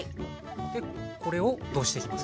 でこれをどうしていきますか？